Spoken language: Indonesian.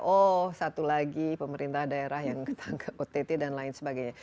oh satu lagi pemerintah daerah yang ketangkep ott dan lain sebagainya